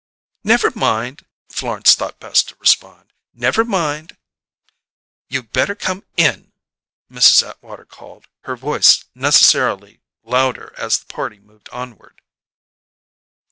"Never mind!" Florence thought best to respond. "Never mind!" "You'd better come in," Mrs. Atwater called, her voice necessarily louder as the party moved onward.